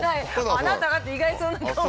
「あなたが？」って意外そうな顔。